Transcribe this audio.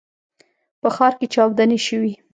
په ښار کې چاودنې شوي.